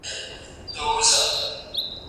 سبزیجات د مور له خوا وچول کيږي؟